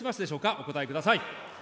お答えください。